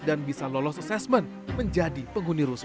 dan bisa lolos assessment menjadi penghuni rusun